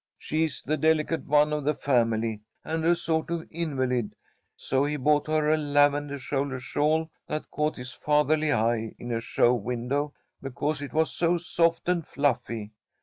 "She's the delicate one of the family, and a sort of invalid. So he bought her a lavender shoulder shawl that caught his fatherly eye in a show window, because it was so soft and fluffy.